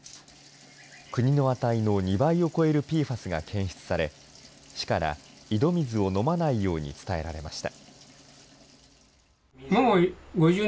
国の値の２倍を超えるＰＦＡＳが検出され、市から井戸水を飲まないように伝えられました。